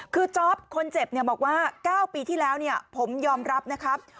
คือจ๊อปคนเจ็บบอกว่า๙ปีที่แล้วผมยอมรับนะครับ